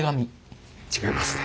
違いますね。